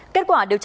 kết quả điều tra